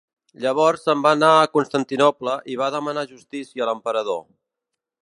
Llavors se'n va anar a Constantinoble i va demanar justícia a l'emperador.